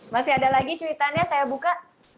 masih ada lagi cuitannya saya buka